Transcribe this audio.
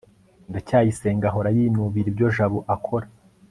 ndacyayisenga ahora yinubira ibyo jabo akora